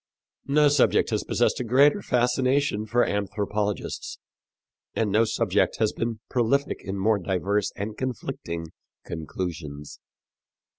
No subject has possessed a greater fascination for anthropologists, and no subject has been prolific in more diverse and conflicting conclusions.